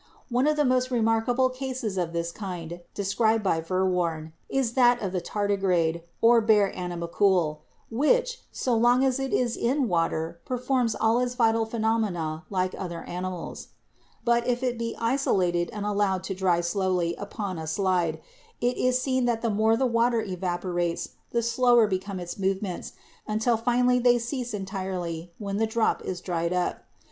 One of the most remarkable cases of this kind described by Verworn is that of the tardigrade, or bear animalcule, which, so long as it is in water, performs all its vital phenomena like other animals. "But if it be isolated and allowed to dry slowly upon a slide, it is seen that the more the water evaporates the. slower become its movements, until finally they cease en tirely when the drop is dried up.